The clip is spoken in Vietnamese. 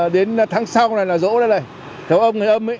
đến tháng sau này là rỗ đây này